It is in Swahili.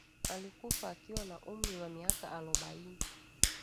alikufa akiwa na umri wa miaka alobaini